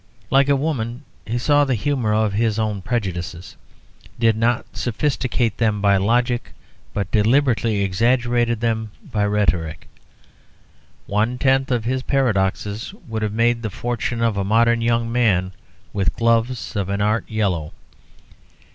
Like a woman, he saw the humour of his own prejudices, did not sophisticate them by logic, but deliberately exaggerated them by rhetoric. One tenth of his paradoxes would have made the fortune of a modern young man with gloves of an art yellow.